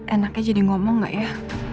enaknya jadi ngomong gak ya